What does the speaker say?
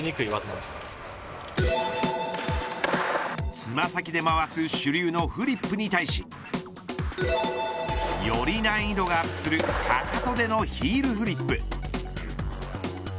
爪先で回す主流のフリップに対しより難易度がアップするかかとでのヒールフリップ。